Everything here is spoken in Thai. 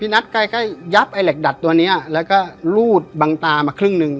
นัดใกล้ใกล้ยับไอ้เหล็กดัดตัวนี้แล้วก็รูดบังตามาครึ่งหนึ่ง